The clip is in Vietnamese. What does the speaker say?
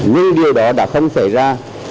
nhưng điều đó đã không xảy ra